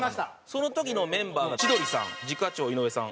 その時のメンバーが千鳥さん次課長井上さん